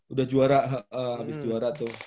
udah juara habis juara tuh